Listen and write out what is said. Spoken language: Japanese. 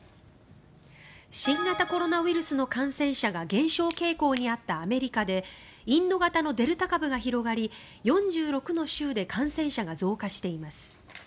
新型コロナウイルスの感染者が減少傾向にあったアメリカでインド型のデルタ株が広がり４６の州で感染者が増加しています。